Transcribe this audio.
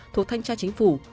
thuộc thanh tra chính phủ